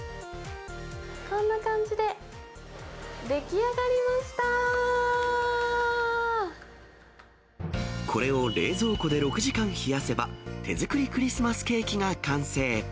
こんな感じで、出来上がりまこれを冷蔵庫で６時間冷やせば、手作りクリスマスケーキが完成。